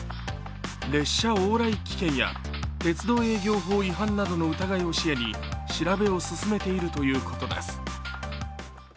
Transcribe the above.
列車往来危険や鉄道営業法違反などの疑いを視野に調べを進めているということです。